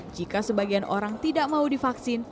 jika sebagian orang tidak mau divaksin